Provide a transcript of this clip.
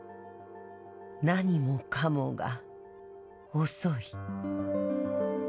何もかもが遅い。